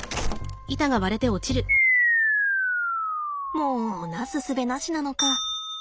もうなすすべなしなのか。